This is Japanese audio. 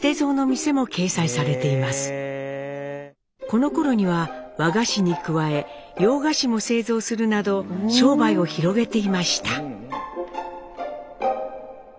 このころには和菓子に加え洋菓子も製造するなど商売を広げていました。